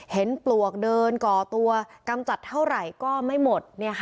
ปลวกเดินก่อตัวกำจัดเท่าไหร่ก็ไม่หมด